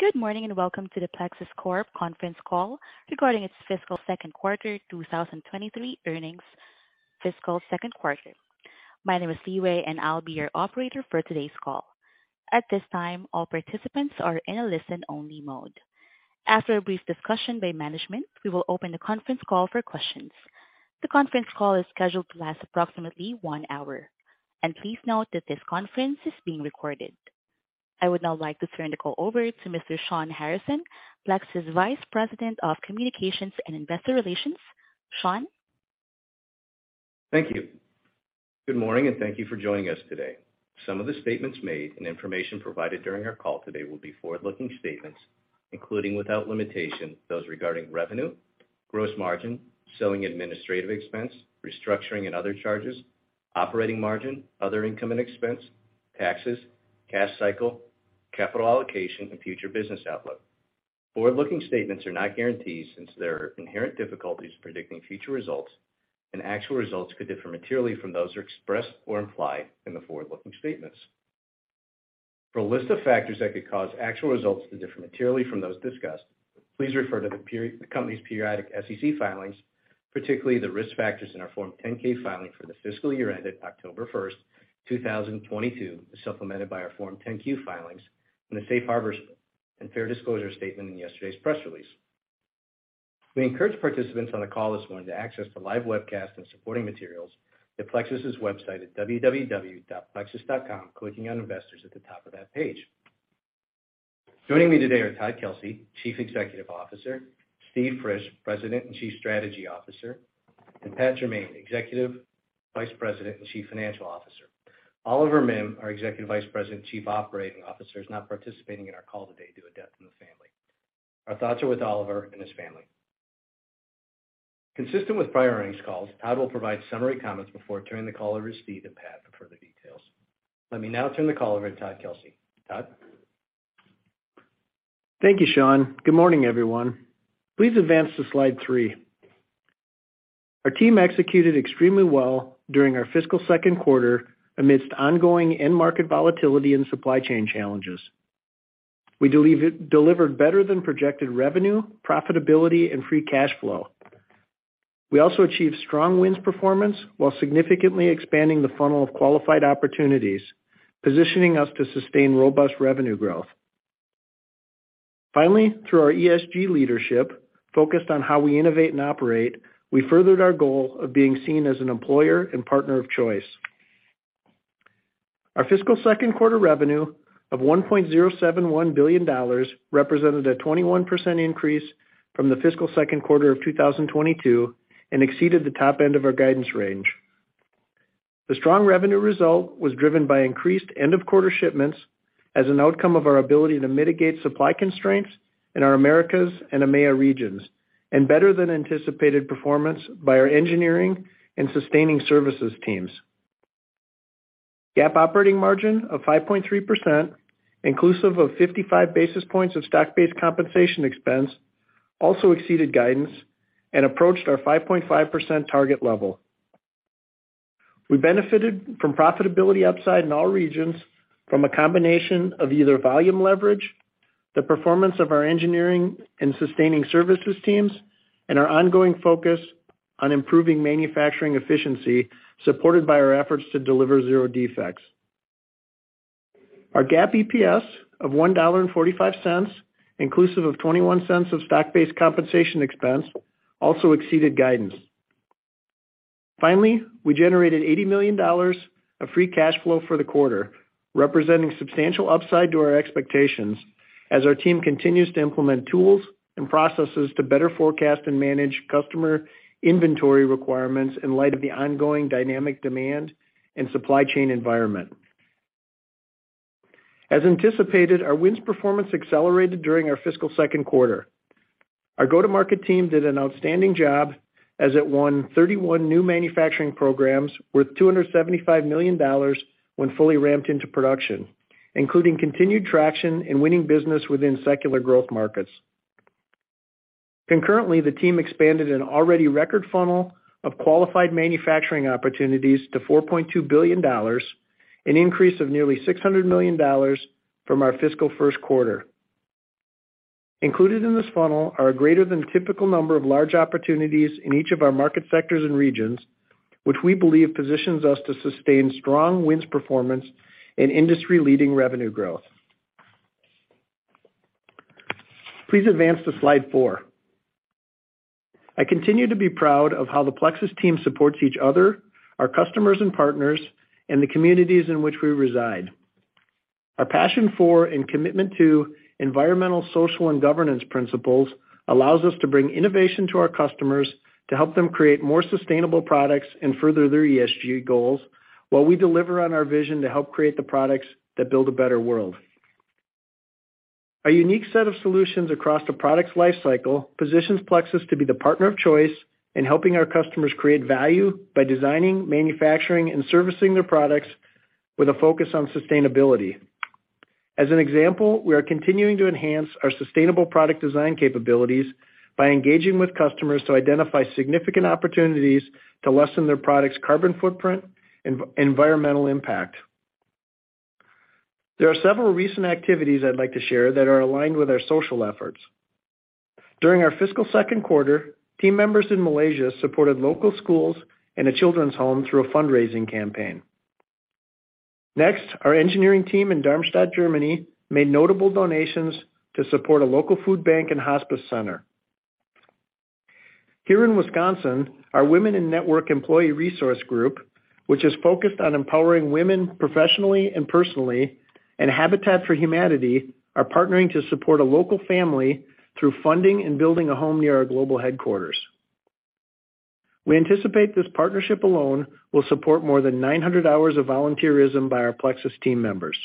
Good morning, welcome to the Plexus Corp. conference call regarding its fiscal second quarter 2023 earnings. My name is Liwei, and I'll be your operator for today's call. At this time, all participants are in a listen-only mode. After a brief discussion by management, we will open the conference call for questions. The conference call is scheduled to last approximately one hour. Please note that this conference is being recorded. I would now like to turn the call over to Mr. Shawn Harrison, Plexus Vice President of Communications and Investor Relations. Shawn. Thank you. Good morning, and thank you for joining us today. Some of the statements made and information provided during our call today will be forward-looking statements, including without limitation, those regarding revenue, gross margin, selling administrative expense, restructuring and other charges, operating margin, other income and expense, taxes, cash cycle, capital allocation, and future business outlook. Forward-looking statements are not guarantees since there are inherent difficulties predicting future results, and actual results could differ materially from those expressed or implied in the forward-looking statements. For a list of factors that could cause actual results to differ materially from those discussed, please refer to the company's periodic SEC filings, particularly the risk factors in our Form 10-K filing for the fiscal year ended October 1st, 2022, supplemented by our Form 10-Q filings in the Safe Harbors and Fair Disclosure statement in yesterday's press release. We encourage participants on the call this morning to access the live webcast and supporting materials at Plexus's website at www.plexus.com, clicking on Investors at the top of that page. Joining me today are Todd Kelsey, Chief Executive Officer, Steve Frisch, President and Chief Strategy Officer, and Pat Jermain, Executive Vice President and Chief Financial Officer. Oliver Mihm, our Executive Vice President and Chief Operating Officer, is not participating in our call today due to a death in the family. Our thoughts are with Oliver and his family. Consistent with prior earnings calls, Todd will provide summary comments before turning the call over to Steve and Pat for further details. Let me now turn the call over to Todd Kelsey. Todd? Thank you, Shawn. Good morning, everyone. Please advance to slide three. Our team executed extremely well during our fiscal second quarter amidst ongoing end market volatility and supply chain challenges. We delivered better than projected revenue, profitability, and free cash flow. We also achieved strong wins performance while significantly expanding the funnel of qualified opportunities, positioning us to sustain robust revenue growth. Finally, through our ESG leadership focused on how we innovate and operate, we furthered our goal of being seen as an employer and partner of choice. Our fiscal second quarter revenue of $1.071 billion represented a 21% increase from the fiscal second quarter of 2022 and exceeded the top end of our guidance range. The strong revenue result was driven by increased end-of-quarter shipments as an outcome of our ability to mitigate supply constraints in our Americas and EMEIA regions, and better than anticipated performance by our engineering and sustaining services teams. GAAP operating margin of 5.3%, inclusive of 55 basis points of stock-based compensation expense, also exceeded guidance and approached our 5.5% target level. We benefited from profitability upside in all regions from a combination of either volume leverage, the performance of our engineering and sustaining services teams, and our ongoing focus on improving manufacturing efficiency, supported by our efforts to deliver zero defects. Our GAAP EPS of $1.45, inclusive of $0.21 of stock-based compensation expense, also exceeded guidance. Finally, we generated $80 million of free cash flow for the quarter, representing substantial upside to our expectations as our team continues to implement tools and processes to better forecast and manage customer inventory requirements in light of the ongoing dynamic demand and supply chain environment. As anticipated, our wins performance accelerated during our fiscal second quarter. Our go-to-market team did an outstanding job as it won 31 new manufacturing programs worth $275 million when fully ramped into production, including continued traction in winning business within secular growth markets. Concurrently, the team expanded an already record funnel of qualified manufacturing opportunities to $4.2 billion, an increase of nearly $600 million from our fiscal first quarter. Included in this funnel are a greater than typical number of large opportunities in each of our market sectors and regions, which we believe positions us to sustain strong wins performance and industry-leading revenue growth. Please advance to slide four. I continue to be proud of how the Plexus team supports each other, our customers and partners, and the communities in which we reside. Our passion for and commitment to environmental, social, and governance principles allows us to bring innovation to our customers to help them create more sustainable products and further their ESG goals while we deliver on our vision to help create the products that build a better world. Our unique set of solutions across the product's life cycle positions Plexus to be the partner of choice in helping our customers create value by designing, manufacturing, and servicing their products with a focus on sustainability. As an example, we are continuing to enhance our sustainable product design capabilities by engaging with customers to identify significant opportunities to lessen their products' carbon footprint and environmental impact. There are several recent activities I'd like to share that are aligned with our social efforts. During our fiscal second quarter, team members in Malaysia supported local schools and a children's home through a fundraising campaign. Our engineering team in Darmstadt, Germany, made notable donations to support a local food bank and hospice center. Here in Wisconsin, our Women in Network Employee Resource Group, which is focused on empowering women professionally and personally, and Habitat for Humanity are partnering to support a local family through funding and building a home near our global headquarters. We anticipate this partnership alone will support more than 900 hours of volunteerism by our Plexus team members.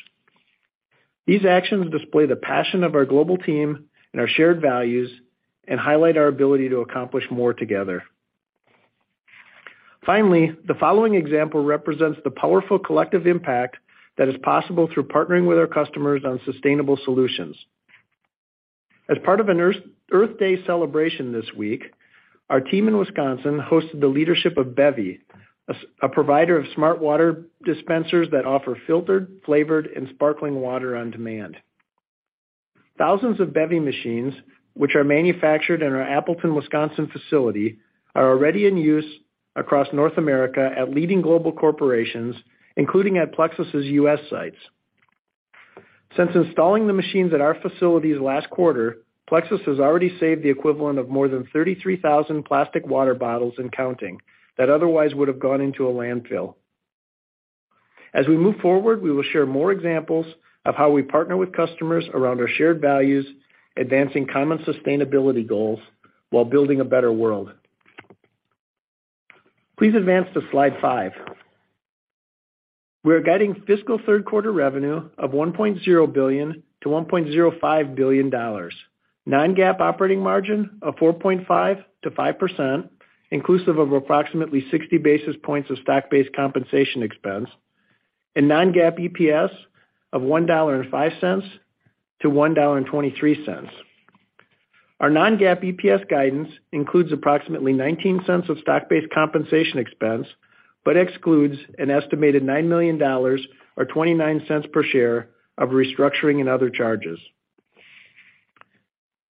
These actions display the passion of our global team and our shared values and highlight our ability to accomplish more together. Finally, the following example represents the powerful collective impact that is possible through partnering with our customers on sustainable solutions. As part of an Earth Day celebration this week, our team in Wisconsin hosted the leadership of Bevi, a provider of smart water dispensers that offer filtered, flavored, and sparkling water on demand. Thousands of Bevi machines, which are manufactured in our Appleton, Wisconsin facility, are already in use across North America at leading global corporations, including at Plexus's U.S. sites. Since installing the machines at our facilities last quarter, Plexus has already saved the equivalent of more than 33,000 plastic water bottles and counting, that otherwise would have gone into a landfill. As we move forward, we will share more examples of how we partner with customers around our shared values, advancing common sustainability goals while building a better world. Please advance to slide five. We're guiding fiscal third quarter revenue of $1.0 billion-$1.05 billion. Non-GAAP operating margin of 4.5%-5%, inclusive of approximately 60 basis points of stock-based compensation expense, and non-GAAP EPS of $1.05-$1.23. Our non-GAAP EPS guidance includes approximately $0.19 of stock-based compensation expense, but excludes an estimated $9 million or $0.29 per share of restructuring and other charges.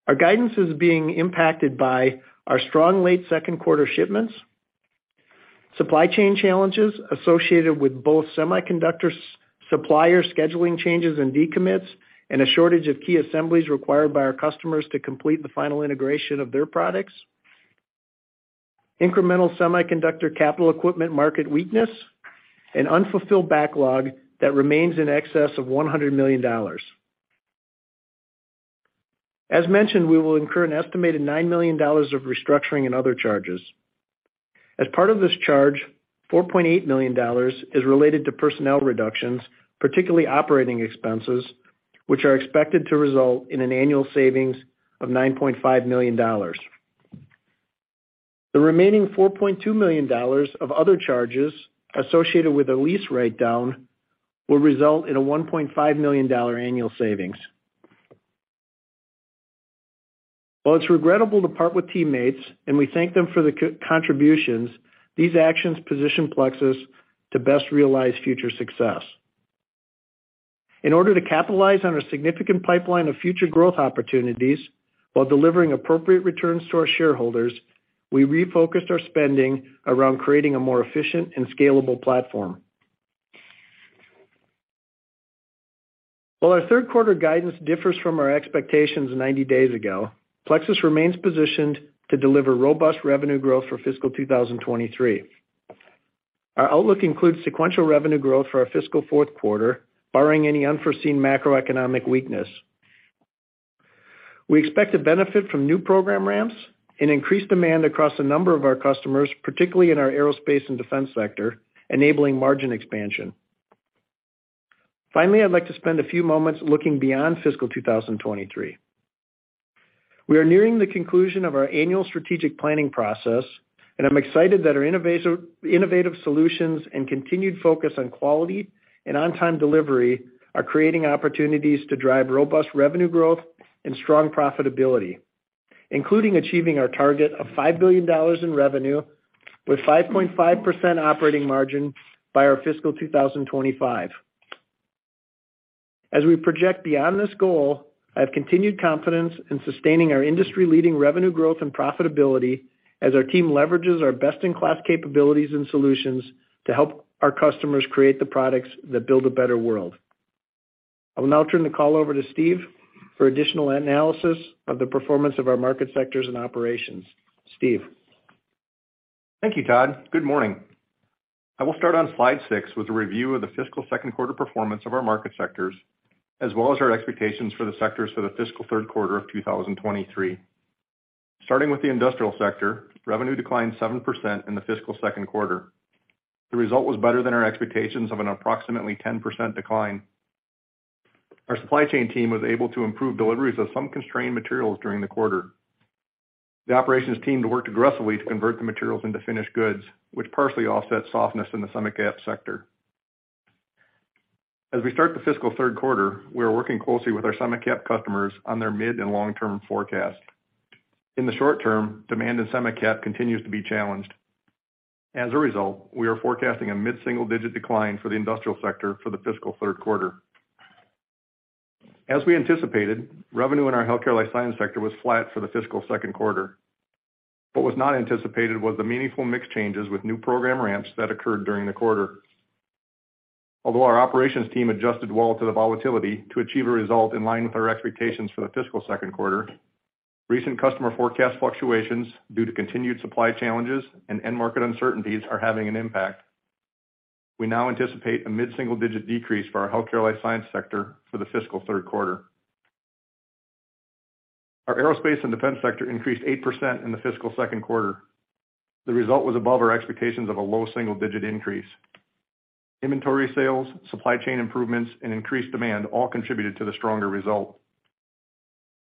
Our guidance is being impacted by our strong late second quarter shipments, supply chain challenges associated with both semiconductor supplier scheduling changes and decommits, and a shortage of key assemblies required by our customers to complete the final integration of their products, incremental semiconductor capital equipment market weakness, and unfulfilled backlog that remains in excess of $100 million. As mentioned, we will incur an estimated $9 million of restructuring and other charges. As part of this charge, $4.8 million is related to personnel reductions, particularly operating expenses, which are expected to result in an annual savings of $9.5 million. The remaining $4.2 million of other charges associated with a lease writedown will result in a $1.5 million annual savings. While it's regrettable to part with teammates, and we thank them for the contributions, these actions position Plexus to best realize future success. In order to capitalize on our significant pipeline of future growth opportunities while delivering appropriate returns to our shareholders, we refocused our spending around creating a more efficient and scalable platform. While our third quarter guidance differs from our expectations 90 days ago, Plexus remains positioned to deliver robust revenue growth for fiscal 2023. Our outlook includes sequential revenue growth for our fiscal fourth quarter, barring any unforeseen macroeconomic weakness. We expect to benefit from new program ramps and increased demand across a number of our customers, particularly in our aerospace and defense sector, enabling margin expansion. Finally, I'd like to spend a few moments looking beyond fiscal 2023. We are nearing the conclusion of our annual strategic planning process. I'm excited that our innovative solutions and continued focus on quality and on-time delivery are creating opportunities to drive robust revenue growth and strong profitability, including achieving our target of $5 billion in revenue with 5.5% operating margin by our fiscal 2025. As we project beyond this goal, I have continued confidence in sustaining our industry-leading revenue growth and profitability as our team leverages our best-in-class capabilities and solutions to help our customers create the products that build a better world. I will now turn the call over to Steve for additional analysis of the performance of our market sectors and operations. Steve? Thank you, Todd. Good morning. I will start on slide six with a review of the fiscal second quarter performance of our market sectors, as well as our expectations for the sectors for the fiscal third quarter of 2023. Starting with the Industrial sector, revenue declined 7% in the fiscal second quarter. The result was better than our expectations of an approximately 10% decline. Our supply chain team was able to improve deliveries of some constrained materials during the quarter. The operations team worked aggressively to convert the materials into finished goods, which partially offset softness in the semi-cap sector. As we start the fiscal third quarter, we are working closely with our semi-cap customers on their mid and long-term forecast. In the short term, demand in semi-cap continues to be challenged. As a result, we are forecasting a mid-single-digit decline for the industrial sector for the fiscal 3rd quarter. As we anticipated, revenue in our healthcare life science sector was flat for the fiscal 2nd quarter. What was not anticipated was the meaningful mix changes with new program ramps that occurred during the quarter. Although our operations team adjusted well to the volatility to achieve a result in line with our expectations for the fiscal 2nd quarter, recent customer forecast fluctuations due to continued supply challenges and end market uncertainties are having an impact. We now anticipate a mid-single-digit decrease for our healthcare life science sector for the fiscal 3rd quarter. Our aerospace and defense sector increased 8% in the fiscal 2nd quarter. The result was above our expectations of a low single-digit increase. Inventory sales, supply chain improvements, and increased demand all contributed to the stronger result.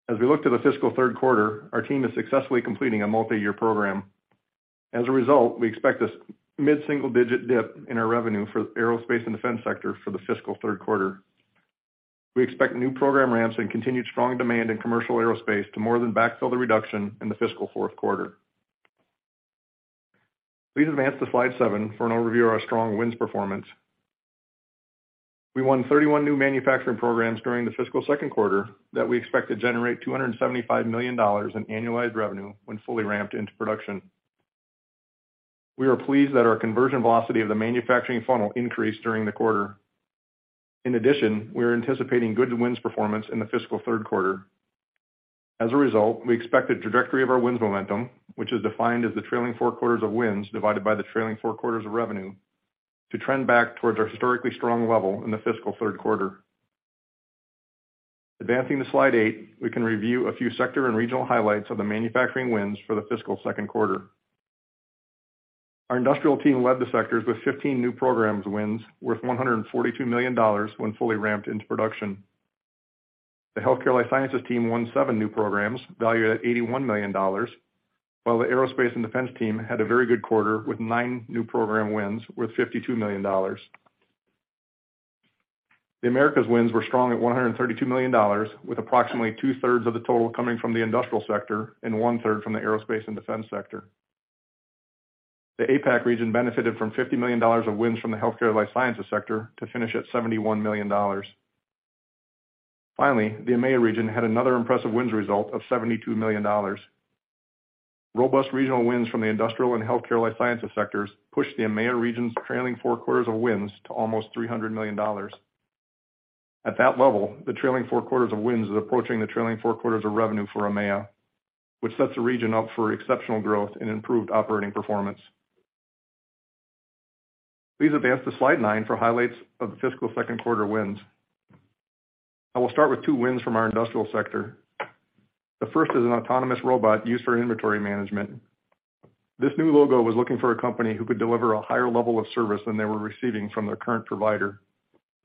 As we look to the fiscal third quarter, our team is successfully completing a multi-year program. As a result, we expect this mid-single-digit dip in our revenue for the aerospace and defense sector for the fiscal third quarter. We expect new program ramps and continued strong demand in commercial aerospace to more than backfill the reduction in the fiscal fourth quarter. Please advance to slide seven for an overview of our strong wins performance. We won 31 new manufacturing programs during the fiscal second quarter that we expect to generate $275 million in annualized revenue when fully ramped into production. We are pleased that our conversion velocity of the manufacturing funnel increased during the quarter. In addition, we are anticipating good wins performance in the fiscal third quarter. We expect the trajectory of our wins momentum, which is defined as the trailing four quarters of wins divided by the trailing four quarters of revenue to trend back towards our historically strong level in the fiscal third quarter. Advancing to slide eight, we can review a few sector and regional highlights of the manufacturing wins for the fiscal second quarter. Our industrial team led the sectors with 15 new programs wins worth $142 million when fully ramped into production. The healthcare life sciences team won seven new programs valued at $81 million, while the aerospace and defense team had a very good quarter with nine new program wins worth $52 million. The Americas wins were strong at $132 million, with approximately 2/3 of the total coming from the industrial sector and 1/3 from the aerospace and defense sector. The APAC region benefited from $50 million of wins from the healthcare life sciences sector to finish at $71 million. The EMEIA region had another impressive wins result of $72 million. Robust regional wins from the industrial and healthcare life sciences sectors pushed the EMEIA region's trailing four quarters of wins to almost $300 million. At that level, the trailing four quarters of wins is approaching the trailing four quarters of revenue for EMEIA, which sets the region up for exceptional growth and improved operating performance. Please advance to slide nine for highlights of the fiscal second quarter wins. I will start with two wins from our industrial sector. The first is an autonomous robot used for inventory management. This new logo was looking for a company who could deliver a higher level of service than they were receiving from their current provider,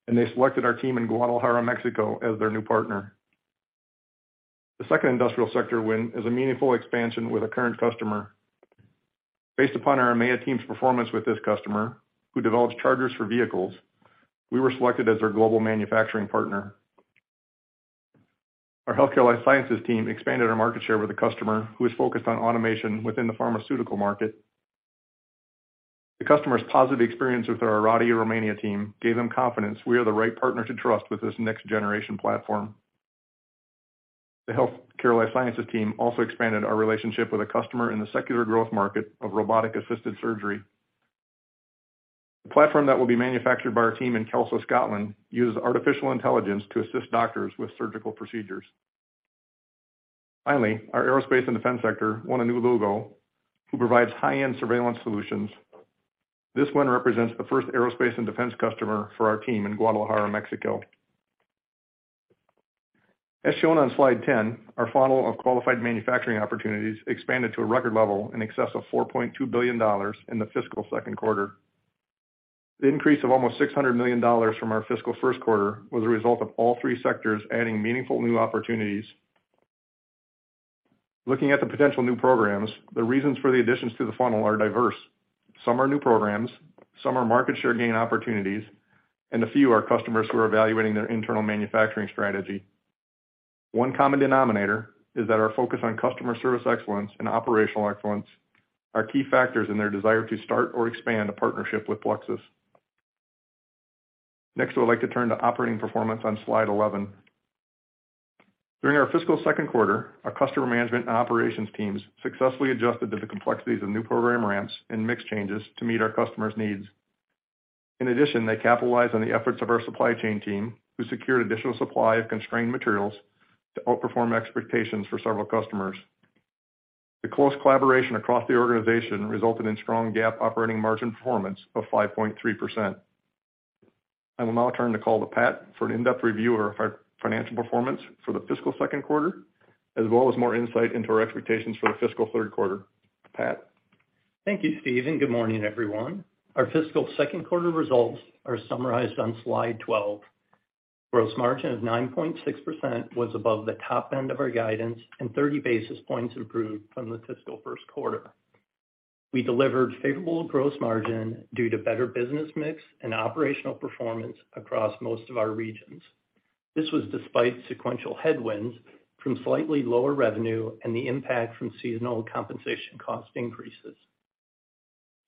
and they selected our team in Guadalajara, Mexico, as their new partner. The second industrial sector win is a meaningful expansion with a current customer. Based upon our EMEIA team's performance with this customer who develops chargers for vehicles, we were selected as their global manufacturing partner. Our healthcare life sciences team expanded our market share with a customer who is focused on automation within the pharmaceutical market. The customer's positive experience with our Oradea, Romania team gave them confidence we are the right partner to trust with this next generation platform. The healthcare life sciences team also expanded our relationship with a customer in the secular growth market of robotic-assisted surgery. The platform that will be manufactured by our team in Kelso, Scotland, uses artificial intelligence to assist doctors with surgical procedures. Finally, our Aerospace and Defense sector won a new logo who provides high-end surveillance solutions. This one represents the first Aerospace and Defense customer for our team in Guadalajara, Mexico. As shown on slide 10, our funnel of qualified manufacturing opportunities expanded to a record level in excess of $4.2 billion in the fiscal second quarter. The increase of almost $600 million from our fiscal first quarter was a result of all three sectors adding meaningful new opportunities. Looking at the potential new programs, the reasons for the additions to the funnel are diverse. Some are new programs, some are market share gain opportunities, and a few are customers who are evaluating their internal manufacturing strategy. One common denominator is that our focus on customer service excellence and operational excellence are key factors in their desire to start or expand a partnership with Plexus. I would like to turn to operating performance on slide 11. During our fiscal second quarter, our customer management and operations teams successfully adjusted to the complexities of new program ramps and mix changes to meet our customers' needs. They capitalized on the efforts of our supply chain team, who secured additional supply of constrained materials to outperform expectations for several customers. The close collaboration across the organization resulted in strong GAAP operating margin performance of 5.3%. I will now turn the call to Pat for an in-depth review of our financial performance for the fiscal second quarter, as well as more insight into our expectations for the fiscal third quarter. Pat? Thank you, Steve. Good morning, everyone. Our fiscal second quarter results are summarized on slide 12. Gross margin of 9.6% was above the top end of our guidance and 30 basis points improved from the fiscal first quarter. We delivered favorable gross margin due to better business mix and operational performance across most of our regions. This was despite sequential headwinds from slightly lower revenue and the impact from seasonal compensation cost increases.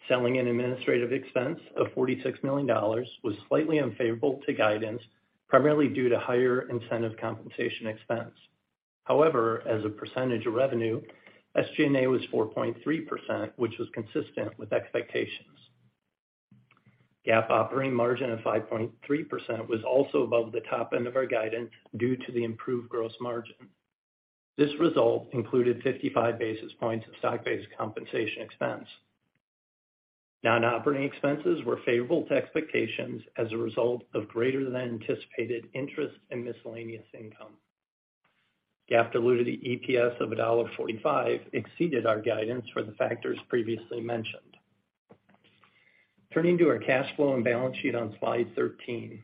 Selling and administrative expense of $46 million was slightly unfavorable to guidance, primarily due to higher incentive compensation expense. As a percentage of revenue, SG&A was 4.3%, which was consistent with expectations. GAAP operating margin of 5.3% was also above the top end of our guidance due to the improved gross margin. This result included 55 basis points of stock-based compensation expense. Non-operating expenses were favorable to expectations as a result of greater than anticipated interest and miscellaneous income. GAAP diluted EPS of $1.45 exceeded our guidance for the factors previously mentioned. Turning to our cash flow and balance sheet on slide 13.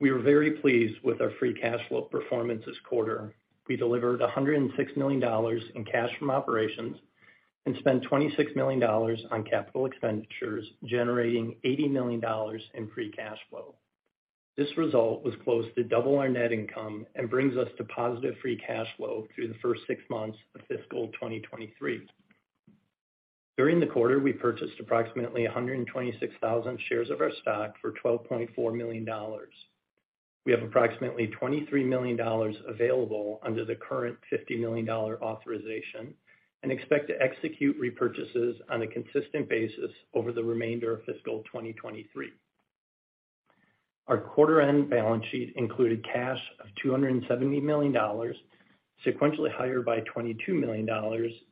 We were very pleased with our free cash flow performance this quarter. We delivered $106 million in cash from operations and spent $26 million on capital expenditures, generating $80 million in free cash flow. This result was close to double our net income and brings us to positive free cash flow through the first 6 months of fiscal 2023. During the quarter, we purchased approximately 126,000 shares of our stock for $12.4 million. We have approximately $23 million available under the current $50 million authorization and expect to execute repurchases on a consistent basis over the remainder of fiscal 2023. Our quarter end balance sheet included cash of $270 million, sequentially higher by $22 million,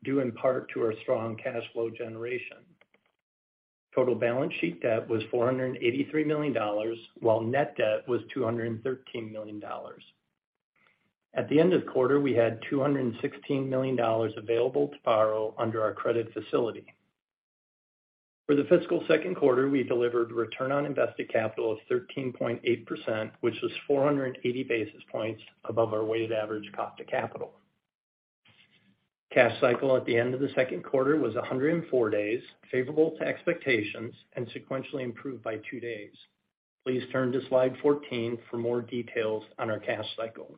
due in part to our strong cash flow generation. Total balance sheet debt was $483 million, while net debt was $213 million. At the end of the quarter, we had $216 million available to borrow under our credit facility. For the fiscal second quarter, we delivered return on invested capital of 13.8%, which was 480 basis points above our weighted average cost of capital. Cash cycle at the end of the second quarter was 104 days, favorable to expectations and sequentially improved by two days. Please turn to slide 14 for more details on our cash cycle.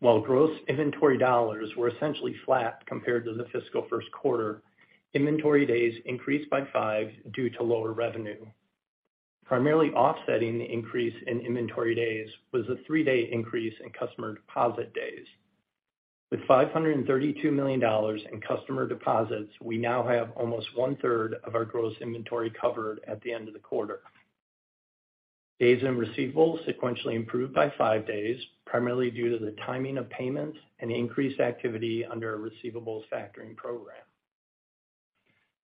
While gross inventory dollars were essentially flat compared to the fiscal first quarter, inventory days increased by five due to lower revenue. Primarily offsetting the increase in inventory days was a three-day increase in customer deposit days. With $532 million in customer deposits, we now have almost one-third of our gross inventory covered at the end of the quarter. Days in receivables sequentially improved by five days, primarily due to the timing of payments and increased activity under our receivables factoring program.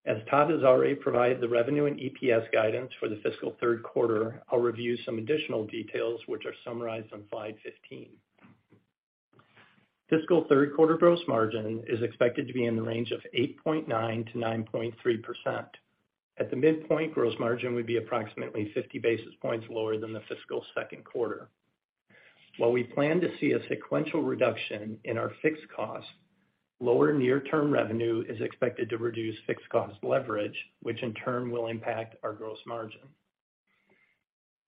As Todd has already provided the revenue and EPS guidance for the fiscal third quarter, I'll review some additional details which are summarized on slide 15. Fiscal third quarter gross margin is expected to be in the range of 8.9%-9.3%. At the midpoint, gross margin would be approximately 50 basis points lower than the fiscal second quarter. While we plan to see a sequential reduction in our fixed costs, lower near-term revenue is expected to reduce fixed cost leverage, which in turn will impact our gross margin.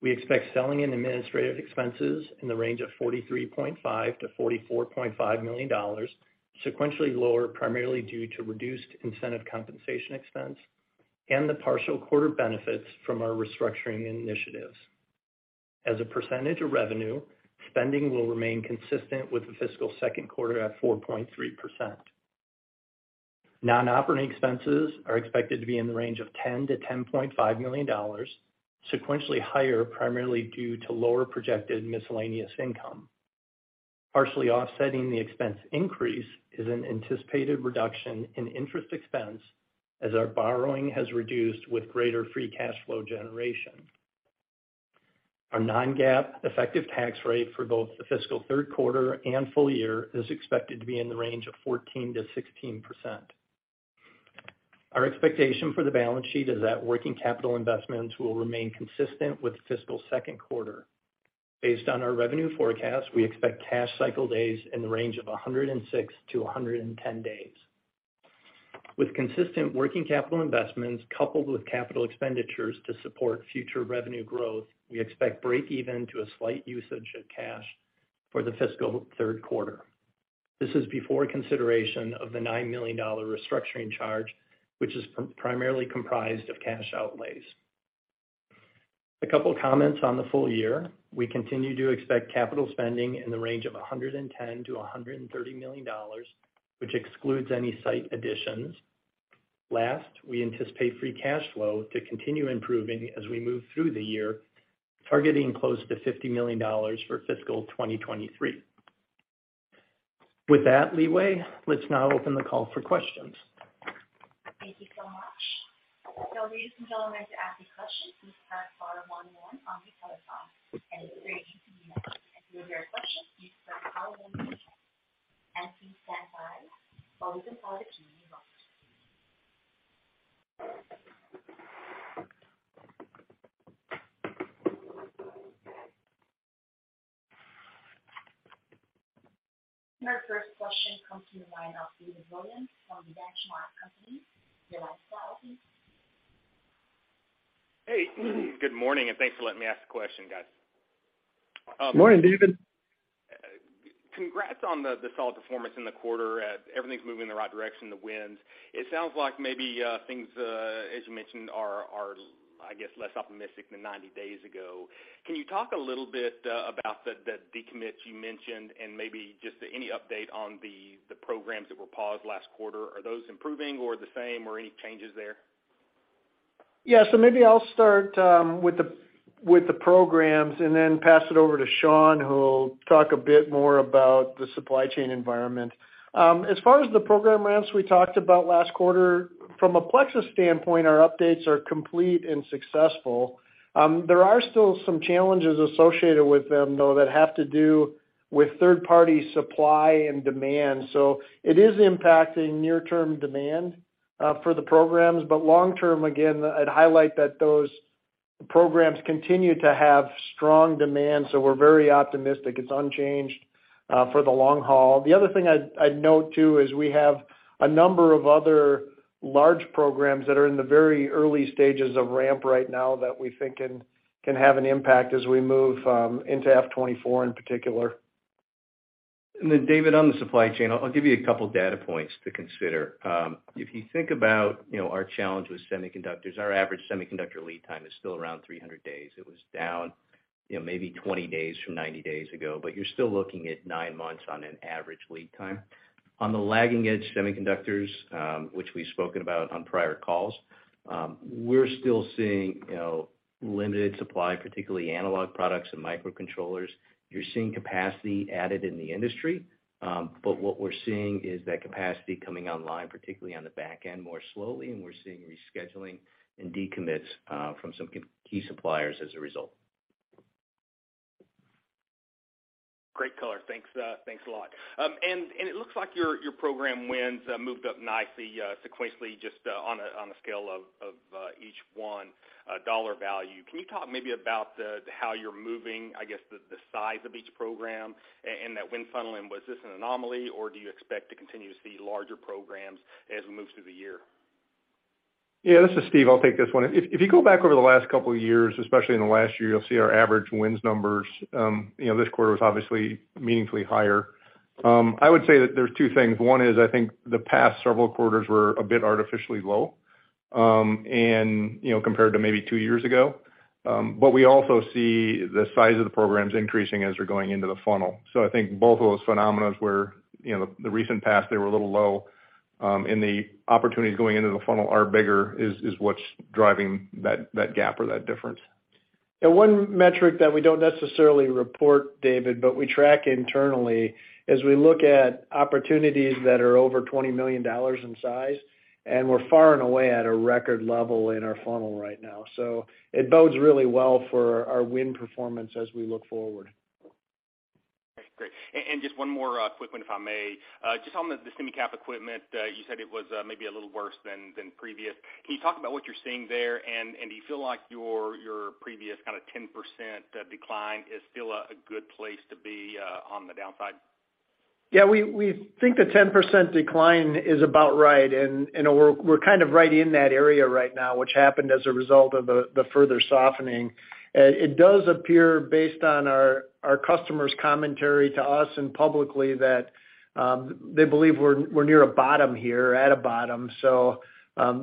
We expect selling and administrative expenses in the range of $43.5 million-$44.5 million, sequentially lower primarily due to reduced incentive compensation expense and the partial quarter benefits from our restructuring initiatives. As a percentage of revenue, spending will remain consistent with the fiscal second quarter at 4.3%. Non-operating expenses are expected to be in the range of $10 million-$10.5 million, sequentially higher primarily due to lower projected miscellaneous income. Partially offsetting the expense increase is an anticipated reduction in interest expense as our borrowing has reduced with greater free cash flow generation. Our non-GAAP effective tax rate for both the fiscal third quarter and full year is expected to be in the range of 14%-16%. Our expectation for the balance sheet is that working capital investments will remain consistent with fiscal second quarter. Based on our revenue forecast, we expect cash cycle days in the range of 106-110 days. With consistent working capital investments coupled with capital expenditures to support future revenue growth, we expect breakeven to a slight usage of cash for the fiscal third quarter. This is before consideration of the $9 million restructuring charge, which is primarily comprised of cash outlays. A couple of comments on the full year. We continue to expect capital spending in the range of $110 million-$130 million, which excludes any site additions. Last, we anticipate free cash flow to continue improving as we move through the year, targeting close to $50 million for fiscal 2023. With that Liwei, let's now open the call for questions. Thank you so much. Ladies and gentlemen, to ask a question, please press star one one on your telephone and raise your hand. If you hear a question, please press star one two. Please stand by while we compile the queue. Our first question comes from the line of David Williams from Benchmark Company. Your line's now open. Hey. Good morning. Thanks for letting me ask a question, guys. Morning, David. Congrats on the solid performance in the quarter. Everything's moving in the right direction, the wins. It sounds like maybe things as you mentioned are, I guess, less optimistic than 90 days ago. Can you talk a little bit about the decommits you mentioned and maybe just any update on the programs that were paused last quarter? Are those improving or the same or any changes there? Maybe I'll start with the programs and then pass it over to Shawn, who will talk a bit more about the supply chain environment. As far as the program ramps we talked about last quarter, from a Plexus standpoint, our updates are complete and successful. There are still some challenges associated with them, though, that have to do with third-party supply and demand. It is impacting near-term demand for the programs. Long term, again, I'd highlight that those programs continue to have strong demand, so we're very optimistic it's unchanged for the long haul. The other thing I'd note too is we have a number of other large programs that are in the very early stages of ramp right now that we think can have an impact as we move into F-24 in particular. David, on the supply chain, I'll give you a couple data points to consider. If you think about, you know, our challenge with semiconductors, our average semiconductor lead time is still around 300 days. It was down, you know, maybe 20 days from 90 days ago. You're still looking at 9 months on an average lead time. On the lagging edge semiconductors, which we've spoken about on prior calls, we're still seeing, you know, limited supply, particularly analog products and microcontrollers. You're seeing capacity added in the industry, but what we're seeing is that capacity coming online, particularly on the back end, more slowly, and we're seeing rescheduling and decommits from some key suppliers as a result. Great color. Thanks, thanks a lot. It looks like your program wins moved up nicely sequentially just on a scale of each $1 value. Can you talk maybe about the, how you're moving, I guess, the size of each program and that win funnel? Was this an anomaly, or do you expect to continue to see larger programs as we move through the year? Yeah, this is Steve. I'll take this one. If you go back over the last couple years, especially in the last year, you'll see our average wins numbers, you know, this quarter was obviously meaningfully higher. I would say that there's two things. One is I think the past several quarters were a bit artificially low, and, you know, compared to maybe two years ago. We also see the size of the programs increasing as they're going into the funnel. I think both of those phenomenons were, you know, the recent past, they were a little low, and the opportunities going into the funnel are bigger is what's driving that gap or that difference. One metric that we don't necessarily report, David, but we track internally is we look at opportunities that are over $20 million in size. We're far and away at a record level in our funnel right now. It bodes really well for our win performance as we look forward. Okay. Great. Just one more, quick one if I may. Just on the semi-cap equipment, you said it was, maybe a little worse than previous. Can you talk about what you're seeing there? Do you feel like your previous kind of 10% decline is still a good place to be on the downside? We think the 10% decline is about right. You know, we're kind of right in that area right now, which happened as a result of the further softening. It does appear based on our customers' commentary to us and publicly that they believe we're near a bottom here, at a bottom.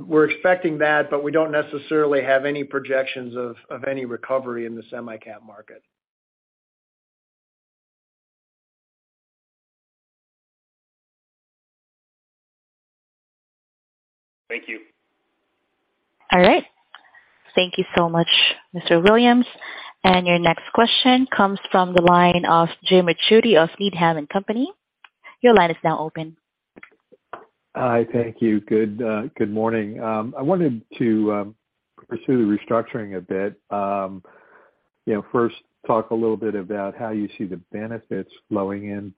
We're expecting that, but we don't necessarily have any projections of any recovery in the semi-cap market. Thank you. All right. Thank you so much, Mr. Williams. Your next question comes from the line of Jim Ricchiuti of Needham & Company. Your line is now open. Hi. Thank you. Good morning. I wanted to pursue the restructuring a bit. You know, first talk a little bit about how you see the benefits flowing in,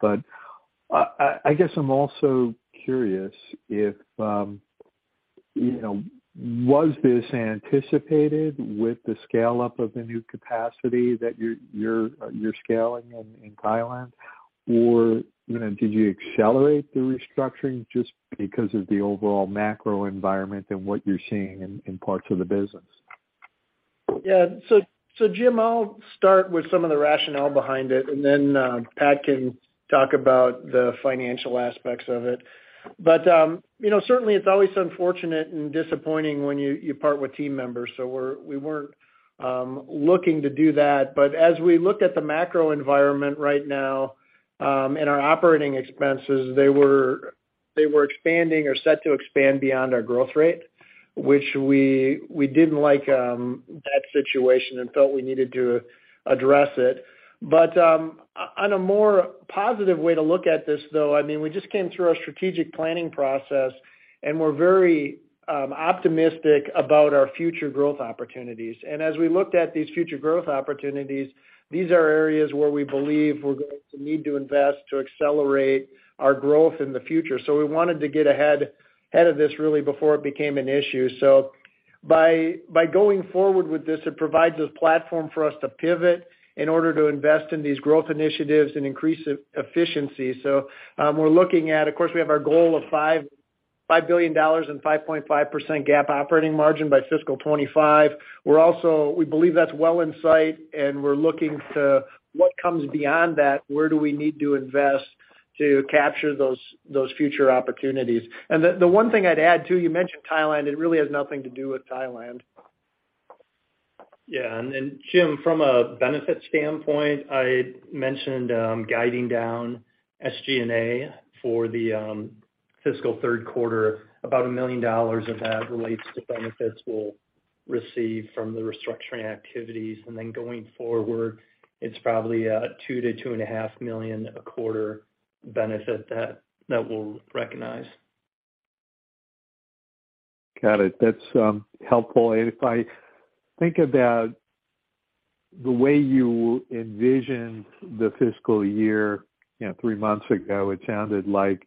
I guess I'm also curious if, you know, was this anticipated with the scale-up of the new capacity that you're scaling in Thailand? Did you accelerate the restructuring just because of the overall macro environment and what you're seeing in parts of the business? Jim, I'll start with some of the rationale behind it, and then Pat can talk about the financial aspects of it. You know, certainly it's always unfortunate and disappointing when you part with team members. We weren't looking to do that. As we looked at the macro environment right now, and our operating expenses, they were expanding or set to expand beyond our growth rate, which we didn't like, that situation and felt we needed to address it. On a more positive way to look at this though, I mean, we just came through our strategic planning process, and we're very optimistic about our future growth opportunities. As we looked at these future growth opportunities, these are areas where we believe we're going to need to invest to accelerate our growth in the future. We wanted to get ahead of this really before it became an issue. By going forward with this, it provides a platform for us to pivot in order to invest in these growth initiatives and increase e-efficiency. We're looking at, of course, we have our goal of $5.5 billion and 5.5% GAAP operating margin by fiscal 2025. We believe that's well in sight, and we're looking to what comes beyond that, where do we need to invest to capture those future opportunities. The one thing I'd add, too, you mentioned Thailand, it really has nothing to do with Thailand. Yeah. Jim, from a benefit standpoint, I mentioned guiding down SG&A for the fiscal third quarter. About $1 million of that relates to benefits we'll receive from the restructuring activities. Then going forward, it's probably $2 million-$2.5 million a quarter benefit that we'll recognize. Got it. That's helpful. If I think about the way you envisioned the fiscal year, you know, three months ago, it sounded like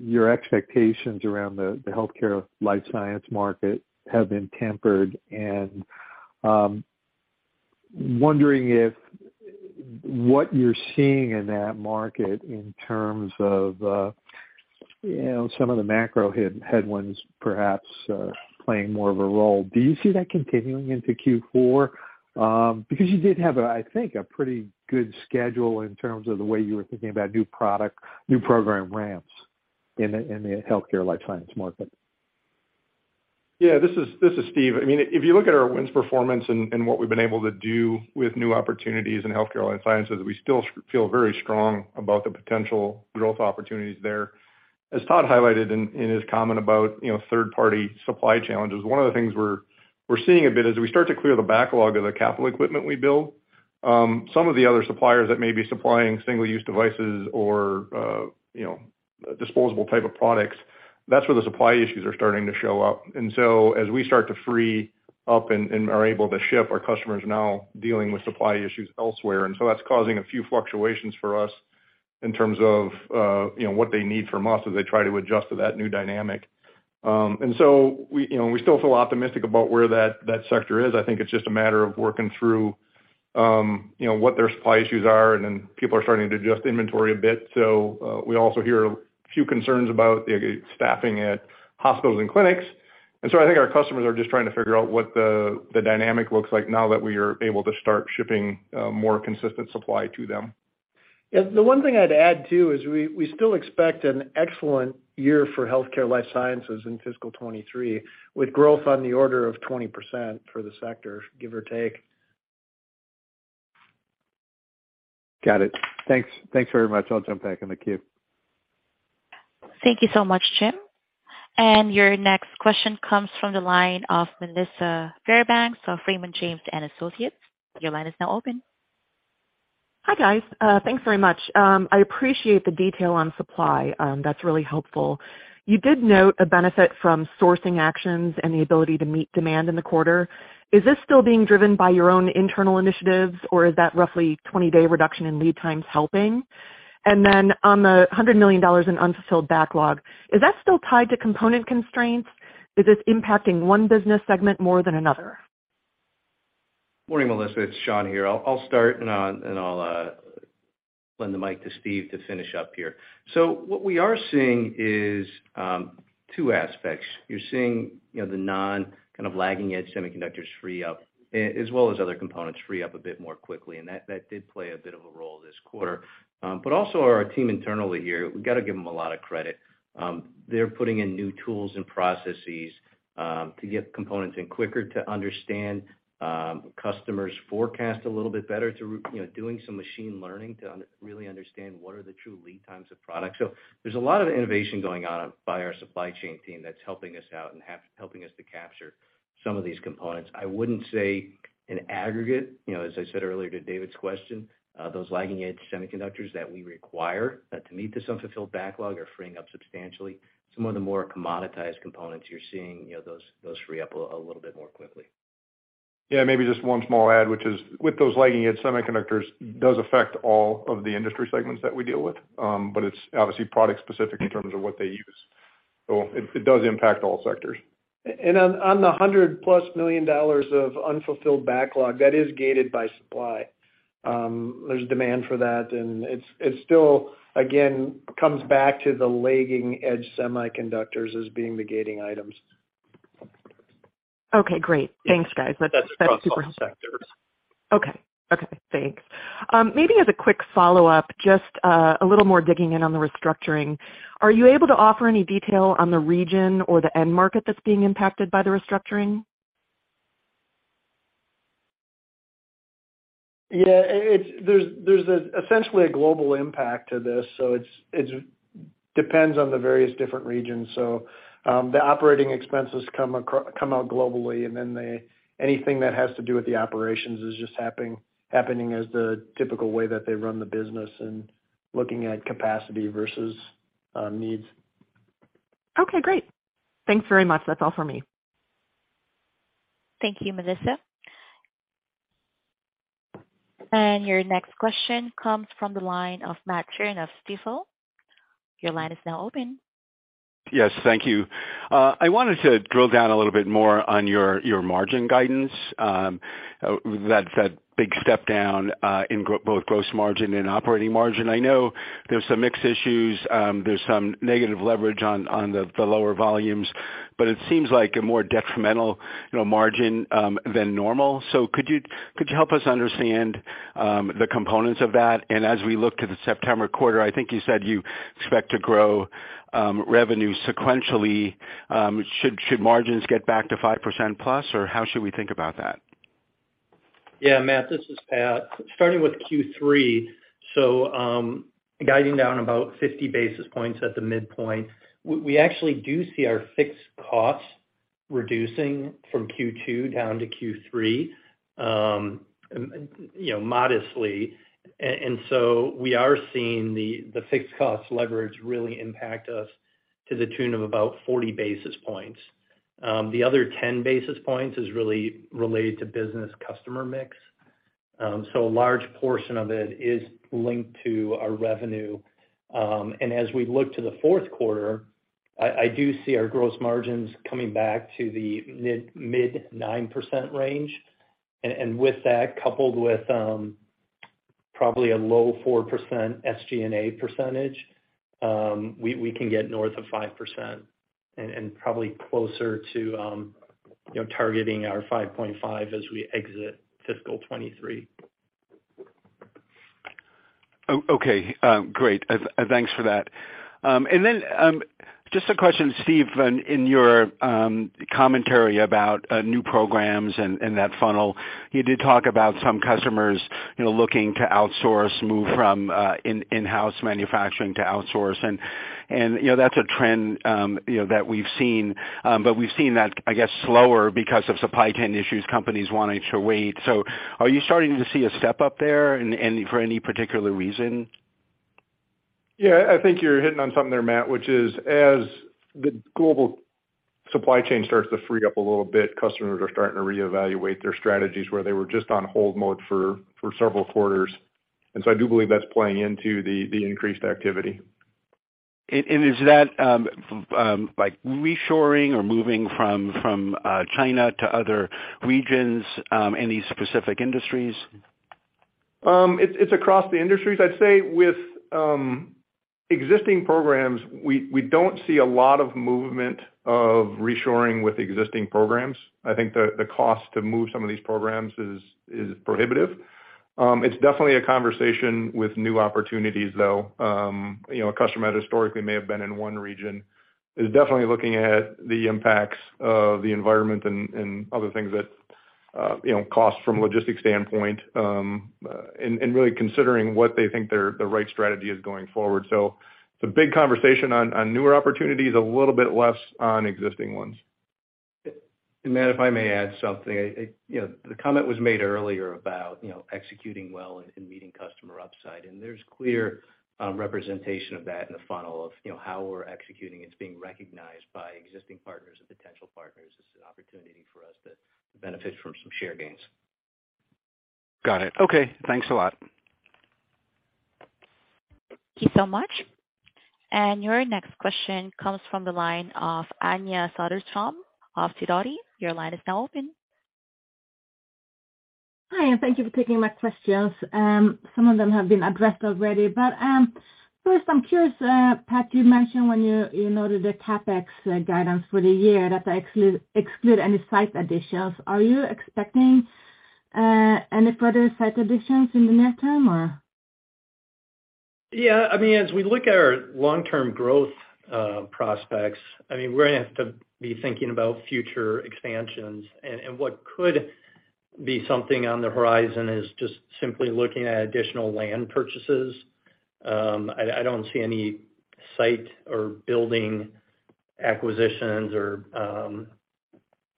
your expectations around the healthcare life science market have been tempered. Wondering if what you're seeing in that market in terms of, you know, some of the macro headwinds perhaps are playing more of a role. Do you see that continuing into Q4? Because you did have, I think, a pretty good schedule in terms of the way you were thinking about new product, new program ramps in the healthcare life science market. Yeah. This is Steve. I mean, if you look at our wins performance and what we've been able to do with new opportunities in healthcare and life sciences, we still feel very strong about the potential growth opportunities there. As Todd highlighted in his comment about, you know, third-party supply challenges, one of the things we're seeing a bit as we start to clear the backlog of the capital equipment we build, some of the other suppliers that may be supplying single-use devices or, you know, disposable type of products, that's where the supply issues are starting to show up. As we start to free up and are able to ship, our customers are now dealing with supply issues elsewhere. That's causing a few fluctuations for us in terms of, you know, what they need from us as they try to adjust to that new dynamic. We, you know, we still feel optimistic about where that sector is. I think it's just a matter of working through, you know, what their supply issues are, and then people are starting to adjust inventory a bit. We also hear a few concerns about the staffing at hospitals and clinics. I think our customers are just trying to figure out what the dynamic looks like now that we are able to start shipping, more consistent supply to them. Yeah. The one thing I'd add, too, is we still expect an excellent year for healthcare life sciences in fiscal 2023, with growth on the order of 20% for the sector, give or take. Got it. Thanks. Thanks very much. I'll jump back in the queue. Thank you so much, Jim. Your next question comes from the line of Melissa Fairbanks of Raymond James. Your line is now open. Hi, guys. Thanks very much. I appreciate the detail on supply. That's really helpful. You did note a benefit from sourcing actions and the ability to meet demand in the quarter. Is this still being driven by your own internal initiatives, or is that roughly 20-day reduction in lead times helping? On the $100 million in unfulfilled backlog, is that still tied to component constraints? Is this impacting one business segment more than another? Morning, Melissa. It's Shawn here. I'll start and I'll lend the mic to Steve Frisch to finish up here. What we are seeing is two aspects. You're seeing, you know, the non kind of lagging edge semiconductors free up as well as other components free up a bit more quickly. That did play a bit of a role this quarter. Also our team internally here, we've got to give them a lot of credit. They're putting in new tools and processes to get components in quicker to understand customers forecast a little bit better to, you know, doing some machine learning to really understand what are the true lead times of products. There's a lot of innovation going on by our supply chain team that's helping us out and helping us to capture some of these components. I wouldn't say in aggregate. You know, as I said earlier to David's question, those lagging edge semiconductors that we require to meet this unfulfilled backlog are freeing up substantially. Some of the more commoditized components you're seeing, you know, those free up a little bit more quickly. Maybe just one small add, which is with those lagging edge semiconductors does affect all of the industry segments that we deal with. It's obviously product specific in terms of what they use. It does impact all sectors. On the $100 million plus of unfulfilled backlog, that is gated by supply. There's demand for that, it still, again, comes back to the lagging edge semiconductors as being the gating items. Okay, great. Thanks, guys. That's super helpful. That's across all sectors. Okay. Okay, thanks. Maybe as a quick follow-up, just a little more digging in on the restructuring. Are you able to offer any detail on the region or the end market that's being impacted by the restructuring? Yeah. It's There's essentially a global impact to this, so it's, it depends on the various different regions. The operating expenses come out globally, and then anything that has to do with the operations is just happening as the typical way that they run the business and looking at capacity versus needs. Okay, great. Thanks very much. That's all for me. Thank you, Melissa. Your next question comes from the line of Matthew Sheerin of Stifel. Your line is now open. Yes, thank you. I wanted to drill down a little bit more on your margin guidance, that big step down, both gross margin and operating margin. I know there's some mix issues, there's some negative leverage on the lower volumes, but it seems like a more detrimental, you know, margin, than normal. Could you help us understand, the components of that? As we look to the September quarter, I think you said you expect to grow, revenue sequentially, should margins get back to 5% plus, or how should we think about that? Matt, this is Pat. Starting with Q3, guiding down about 50 basis points at the midpoint, we actually do see our fixed costs reducing from Q2 down to Q3, you know, modestly. We are seeing the fixed cost leverage really impact us to the tune of about 40 basis points. The other 10 basis points is really related to business customer mix. A large portion of it is linked to our revenue. As we look to the fourth quarter, I do see our gross margins coming back to the mid 9% range. With that, coupled with, probably a low 4% SG&A percentage, we can get north of 5% and probably closer to, you know, targeting our 5.5% as we exit fiscal 2023. Okay. Great. Thanks for that. Just a question, Steve, in your commentary about new programs and that funnel, you did talk about some customers, you know, looking to outsource, move from in-house manufacturing to outsource. You know, that's a trend, you know, that we've seen. We've seen that, I guess, slower because of supply chain issues, companies wanting to wait. Are you starting to see a step up there any for any particular reason? I think you're hitting on something there, Matt, which is as the global supply chain starts to free up a little bit, customers are starting to reevaluate their strategies where they were just on hold mode for several quarters. I do believe that's playing into the increased activity. Is that, like reshoring or moving from, China to other regions, any specific industries? It's across the industries. I'd say with existing programs, we don't see a lot of movement of reshoring with existing programs. I think the cost to move some of these programs is prohibitive. It's definitely a conversation with new opportunities, though. You know, a customer that historically may have been in one region is definitely looking at the impacts of the environment and other things that, you know, cost from a logistics standpoint, and really considering what they think the right strategy is going forward. It's a big conversation on newer opportunities, a little bit less on existing ones. Matt, if I may add something. you know, the comment was made earlier about, you know, executing well and meeting customer upside, and there's clear representation of that in the funnel of, you know, how we're executing. It's being recognized by existing partners and potential partners. It's an opportunity for us to benefit from some share gains. Got it. Okay, thanks a lot. Thank you so much. Your next question comes from the line of Anja Soderstrom of Sidoti. Your line is now open. Hi. Thank you for taking my questions. Some of them have been addressed already. First, I'm curious, Pat, you mentioned when you noted the CapEx guidance for the year that exclude any site additions. Are you expecting any further site additions in the near term, or? I mean, as we look at our long-term growth, prospects, I mean, we're gonna have to be thinking about future expansions and what could be something on the horizon is just simply looking at additional land purchases. I don't see any site or building acquisitions or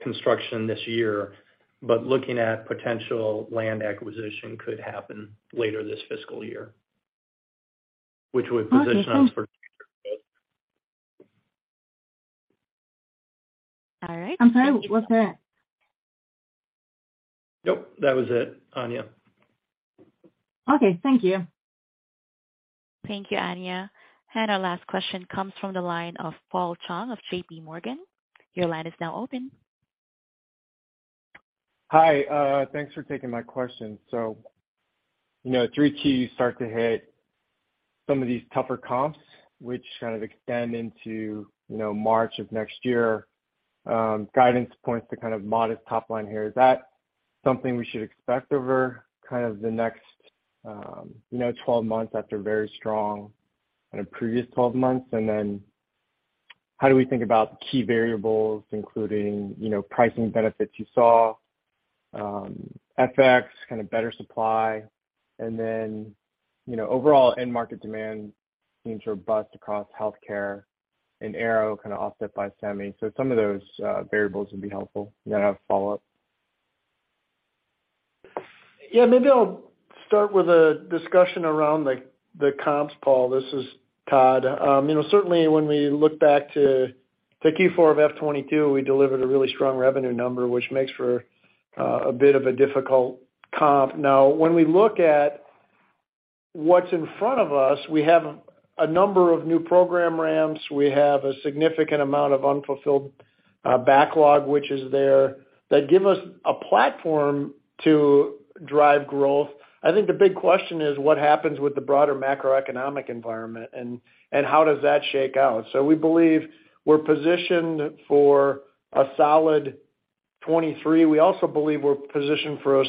construction this year, but looking at potential land acquisition could happen later this fiscal year, which would position us for future growth. All right. I'm sorry, what's that? Nope, that was it, Anja. Okay, thank you. Thank you, Anja. Our last question comes from the line of Paul Chung of J.P. Morgan. Your line is now open. Hi, thanks for taking my question. You know, 3Q's start to hit some of these tougher comps which kind of extend into, you know, March of next year. Guidance points to kind of modest top line here. Is that something we should expect over kind of the next, you know, 12 months after very strong kind of previous 12 months? How do we think about key variables including, you know, pricing benefits you saw, FX, kind of better supply? You know, overall end market demand seems robust across healthcare and Aero kind of offset by semi. Some of those variables would be helpful. I have a follow-up. Maybe I'll start with a discussion around like the comps, Paul. This is Todd. You know, certainly when we look back to. Q4 of F22, we delivered a really strong revenue number, which makes for a bit of a difficult comp. When we look at what's in front of us, we have a number of new program ramps. We have a significant amount of unfulfilled backlog, which is there, that give us a platform to drive growth. I think the big question is what happens with the broader macroeconomic environment and how does that shake out? We believe we're positioned for a solid 2023. We also believe we're positioned for a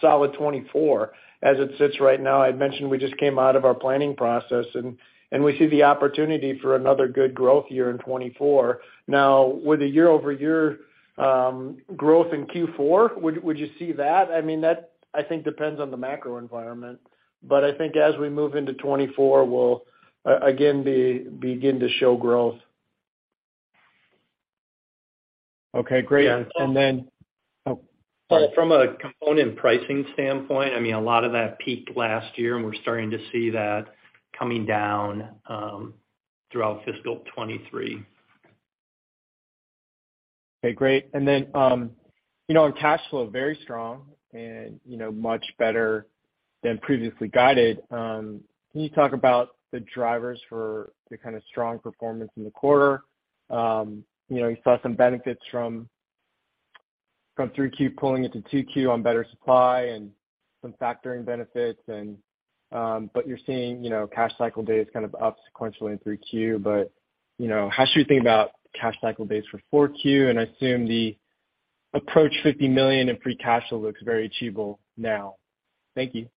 solid 2024. As it sits right now, I'd mentioned we just came out of our planning process and we see the opportunity for another good growth year in 2024. With a year-over-year growth in Q4, would you see that? I mean, that, I think, depends on the macro environment. I think as we move into 2024, we'll again begin to show growth. Okay, great. Yeah. Oh. From a component pricing standpoint, I mean, a lot of that peaked last year, and we're starting to see that coming down, throughout fiscal 2023. Okay, great. You know, on cash flow, very strong and, you know, much better than previously guided. Can you talk about the drivers for the kind of strong performance in the quarter? You know, you saw some benefits from three Q pulling into two Q on better supply and some factoring benefits and, you're seeing, you know, cash cycle days kind of up sequentially in three Q. You know, how should we think about cash cycle days for four Q? I assume the approach $50 million in free cash flow looks very achievable now. Thank you.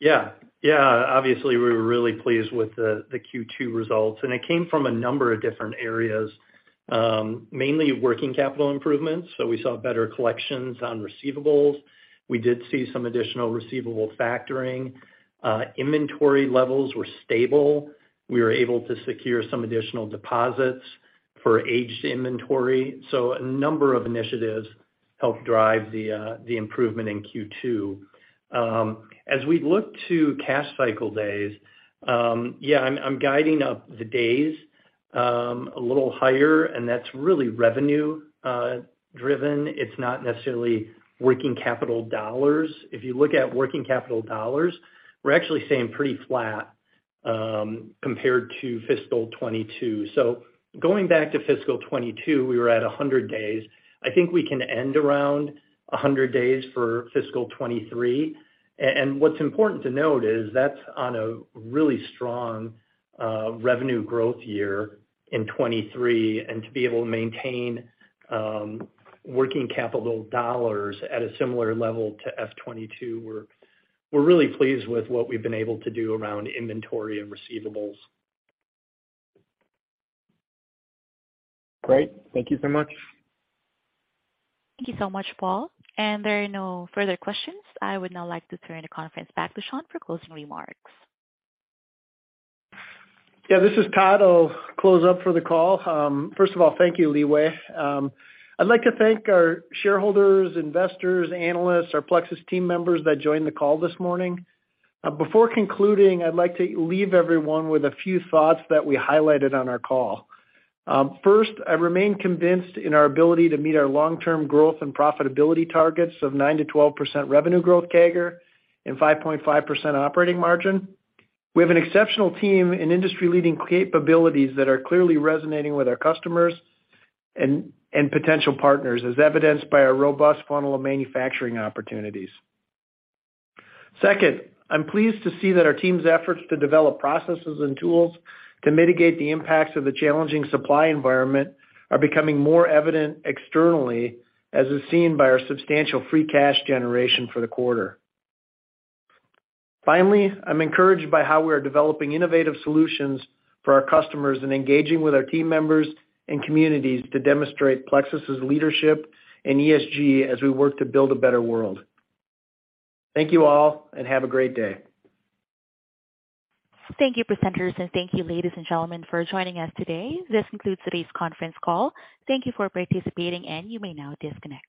Yeah. Yeah, obviously, we were really pleased with the Q2 results, and it came from a number of different areas, mainly working capital improvements. We saw better collections on receivables. We did see some additional receivable factoring. Inventory levels were stable. We were able to secure some additional deposits for aged inventory. A number of initiatives helped drive the improvement in Q2. As we look to cash cycle days, yeah, I'm guiding up the days a little higher, and that's really revenue driven. It's not necessarily working capital dollars. If you look at working capital dollars, we're actually staying pretty flat compared to fiscal 2022. Going back to fiscal 2022, we were at 100 days. I think we can end around 100 days for fiscal 2023. What's important to note is that's on a really strong, revenue growth year in 2023, and to be able to maintain working capital dollars at a similar level to F2022, we're really pleased with what we've been able to do around inventory and receivables. Great. Thank you so much. Thank you so much, Paul. There are no further questions. I would now like to turn the conference back to Shawn for closing remarks. Yeah, this is Todd. I'll close up for the call. First of all, thank you, Lei Wei. I'd like to thank our shareholders, investors, analysts, our Plexus team members that joined the call this morning. Before concluding, I'd like to leave everyone with a few thoughts that we highlighted on our call. First, I remain convinced in our ability to meet our long-term growth and profitability targets of 9% to 12% revenue growth CAGR and 5.5% operating margin. We have an exceptional team and industry-leading capabilities that are clearly resonating with our customers and potential partners, as evidenced by our robust funnel of manufacturing opportunities. Second, I'm pleased to see that our team's efforts to develop processes and tools to mitigate the impacts of the challenging supply environment are becoming more evident externally, as is seen by our substantial free cash generation for the quarter. Finally, I'm encouraged by how we are developing innovative solutions for our customers and engaging with our team members and communities to demonstrate Plexus' leadership in ESG as we work to build a better world. Thank you all, and have a great day. Thank you, presenters, and thank you, ladies and gentlemen, for joining us today. This concludes today's conference call. Thank you for participating, and you may now disconnect.